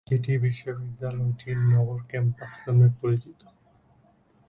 যেটি বিশ্ববিদ্যালয়টির নগর ক্যাম্পাস নামে পরিচিত।